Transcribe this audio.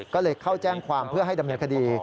ก็เลยเข้าแจ้งความเพื่อให้ดำเนินคดี